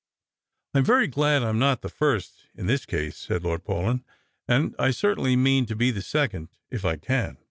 *' I am very glad I'm not the first, in this case," said Lord Paulyn; " and I certainly mean to be the second, if I can."